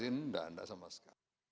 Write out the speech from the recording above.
tidak ada sama sekali